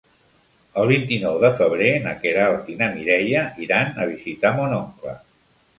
El vint-i-nou de febrer na Queralt i na Mireia iran a visitar mon oncle.